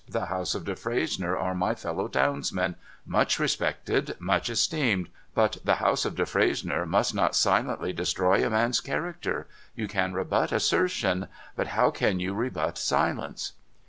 ' The House of Defres nier are my fellow townsmen — much respected, much esteemed —■ but the House of Defresnier must not silently destroy a man's character. You can rebut assertion. But how can you rebut silence